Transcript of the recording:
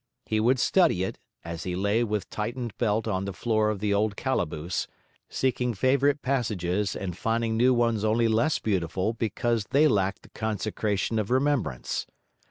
He would study it, as he lay with tightened belt on the floor of the old calaboose, seeking favourite passages and finding new ones only less beautiful because they lacked the consecration of remembrance.